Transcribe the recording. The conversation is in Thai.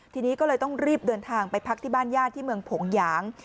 ทีนี้ก็เลยต้องรีบเดินทางไปพักที่บ้านญาติที่เมืองผงหยาง